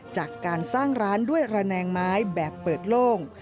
จากการสร้างร้านด้วยระแนงไม้แบบเปิดโล่ง